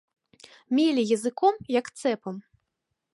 Меле языком, як цэпам.